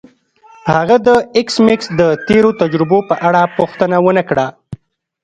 هغه د ایس میکس د تیرو تجربو په اړه پوښتنه ونه کړه